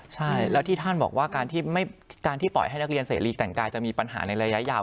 ใช่แล้วที่ท่านบอกว่าการที่ปล่อยให้นักเรียนเสรีแต่งกายจะมีปัญหาในระยะยาว